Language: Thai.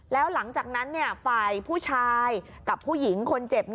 แล้วหลังจากนั้นฝ่ายผู้ชายกับผู้หญิงคนเจ็บ